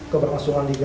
keberlangsungan liga dua